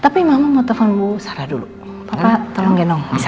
tapi mama mau telfon bu sarah dulu papa tolongin dong bisa